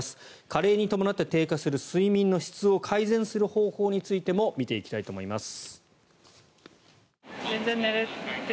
加齢に伴って低下する睡眠の質を改善する方法についても見ていきたいと思います。